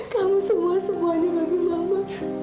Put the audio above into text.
kamu semua semuanya bagi mama